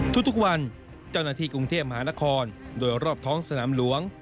ทุกวันเจ้าหน้าที่กรุงเทพมหานครโดยรอบท้องสนามหลวง